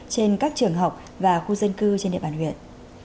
trên các trường học và khu dân cư trên địa bàn huyện